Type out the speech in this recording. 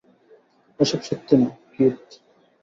এসব সত্যি না, কিথ।